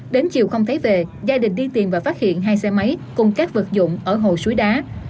đến chiều không thấy về gia đình đi tìm và phát hiện hai xe máy cùng các vật dụng ở hồ suối đá